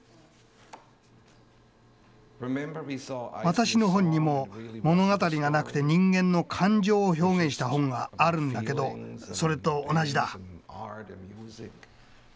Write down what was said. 私の本にも物語がなくて人間の感情を表現した本があるんだけどそれと同じだ。